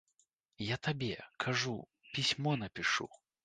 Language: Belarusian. Я табе, кажу, пісьмо напішу.